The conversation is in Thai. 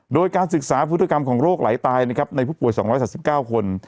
โดยการศึกษาพุทธกรรมของโรคไหลตายนะครับในผู้ป่วย๒๓๙คน